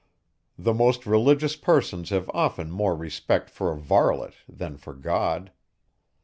The most religious persons have often more respect for a varlet, than for God.